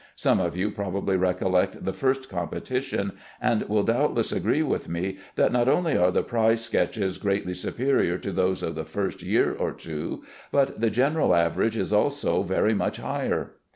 Some of you probably recollect the first competition, and will doubtless agree with me that not only are the prize sketches greatly superior to those of the first year or two, but the general average is also very much higher.